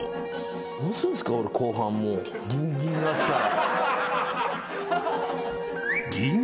どうするんすか俺後半ギンギンになってたら。